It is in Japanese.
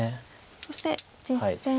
そして実戦は。